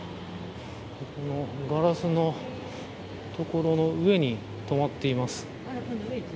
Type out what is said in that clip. ガラスの所の上に止まっています。